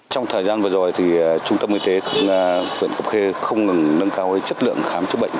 trong thời gian vừa rồi trung tâm y tế huyện cập khê không ngừng nâng cao chất lượng khám chữa bệnh